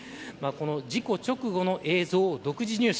事故直後の映像を独自入手。